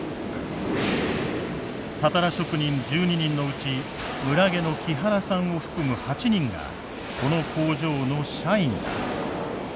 たたら職人１２人のうち村下の木原さんを含む８人がこの工場の社員だ。